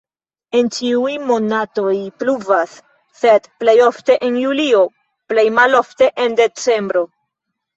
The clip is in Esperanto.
En ĉiuj monatoj pluvas, sed plej ofte en julio, plej malofte en decembro.